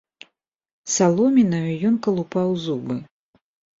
Саломінаю ён калупаў зубы.